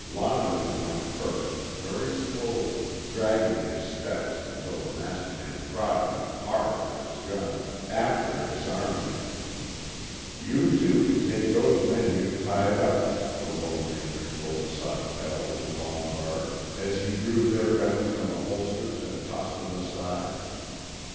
Lonergan went first, very slowly, dragging his steps until the masked man prodded him hard with his gun, after disarming him. "You two can take those men you've tied up," the Lone Ranger told Sawtell and Lombard, as he drew their guns from the holsters and tossed them aside.